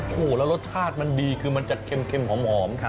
โอ้โหแล้วรสชาติมันดีคือมันจะเค็มหอม